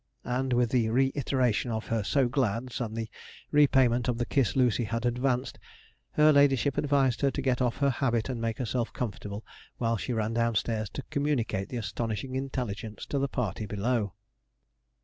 And with the reiteration of her 'so glads,' and the repayment of the kiss Lucy had advanced, her ladyship advised her to get off her habit and make herself comfortable while she ran downstairs to communicate the astonishing intelligence to the party below.